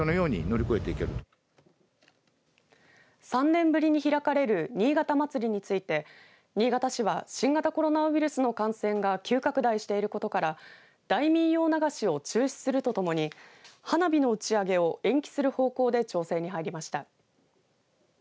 ３年ぶりに開かれる新潟まつりについて新潟市は新型コロナウイルスの感染が急拡大していることから大民謡流しを中止するとともに花火の打ち上げを延期する方向で調整に入りました。